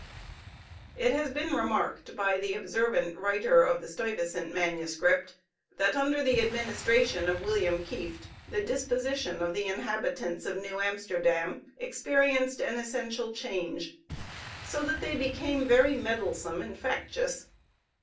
It has been remarked by the observant writer of the Stuyvesant manuscript, that under the administration of William Kieft the disposition of the inhabitants of New Amsterdam experienced an essential change, so that they became very meddlesome and factious.